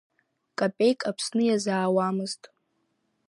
Капеик Аԥсны иазаауамызт.